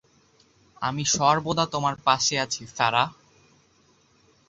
আমি সর্বদা তোমার পাশে আছি, সারাহ।